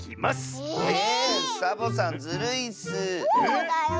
そうだよ。